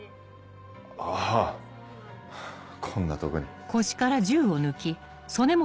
あぁこんなとこに。